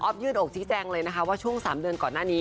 อ๊อบยืดอกซิแจ้งเลยว่าช่วงสามเดือนก่อนหน้านี้